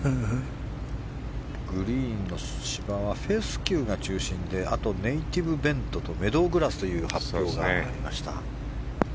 グリーンの芝はフェスキューが中心でネイティブベントとメドーという発表がありました。